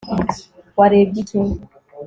warebye iki